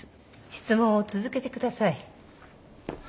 質問を続けてください。